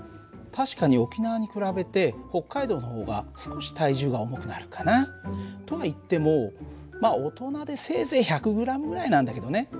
確かに沖縄に比べて北海道の方が少し体重が重くなるかな。とはいっても大人でせいぜい１００ｇぐらいなんだけどね。